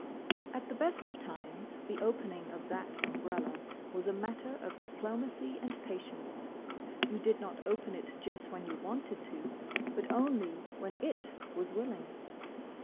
At the best of times the opening of that umbrella was a matter of diplomacy and patience. You did not open it just when you wanted to, but only when it was willing.